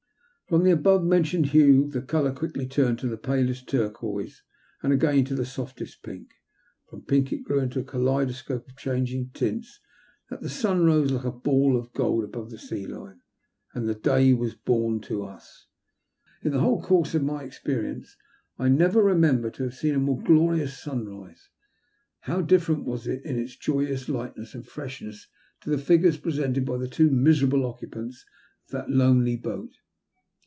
From the above mentioned hue the colour quickly turned to the palest turquoise, and again to the softest pink. From pink it grew into a kaleidoscope of changing tints until the sun rose like a ball of gold above the sea line — and day was born to us. In the whole course of my experience I never remember to have seen a more glorious sunrise. How different was it in its joyous lightness and freshness to the figures presented by the two miserable occupants of that lonely boat